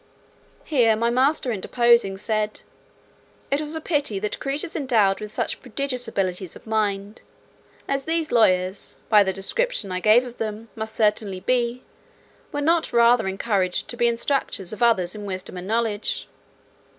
Here my master interposing, said, "it was a pity, that creatures endowed with such prodigious abilities of mind, as these lawyers, by the description I gave of them, must certainly be, were not rather encouraged to be instructors of others in wisdom and knowledge."